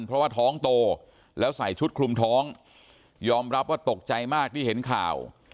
เพราะว่าท้องโตแล้วใส่ชุดคลุมท้องยอมรับว่าตกใจมากที่เห็นข่าว